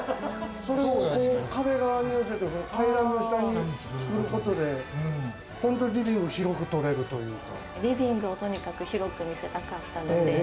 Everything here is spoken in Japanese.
それを壁側に寄せて階段の下に作ることで、リビングを広く取れるリビングを広く見せたかったので。